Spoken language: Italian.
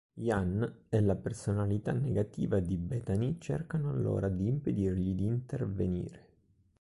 Ian e la personalità negativa di Bethany cercano allora di impedirgli di intervenire.